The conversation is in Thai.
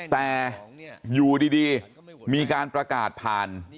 แต่อยู่ดีมีการประกาศผ่าน